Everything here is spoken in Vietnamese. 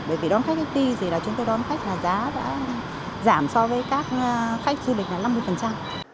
bởi vì đón khách khách đi thì là chúng tôi đón khách là giá đã giảm so với các khách du lịch là năm mươi